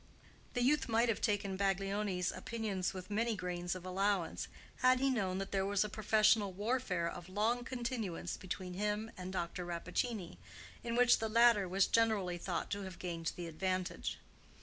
The youth might have taken Baglioni's opinions with many grains of allowance had he known that there was a professional warfare of long continuance between him and Dr. Rappaccini, in which the latter was generally thought to have gained the advantage.